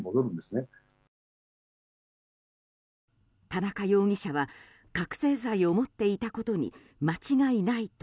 田中容疑者は、覚醒剤を持っていたことに間違いないと